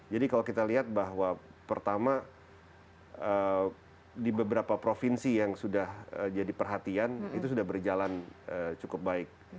jadi kalau kita lihat bahwa pertama di beberapa provinsi yang sudah jadi perhatian itu sudah berjalan cukup baik